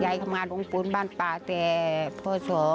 ยายทำงานลงปูนบ้านปลาแต่พ่อส่วนพ่อส่วนพ่อส่วน